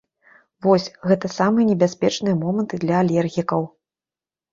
Вось, гэта самыя небяспечныя моманты для алергікаў.